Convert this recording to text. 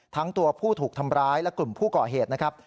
ทั้งตัวผู้ถูกทำร้ายและกลุ่มผู้ก่อเหตุนะครับ